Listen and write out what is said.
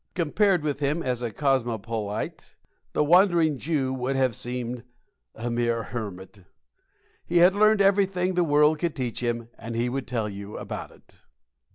Compared with him as a cosmopolite, the Wandering Jew would have seemed a mere hermit. He had learned everything the world could teach him, and he would tell you about it.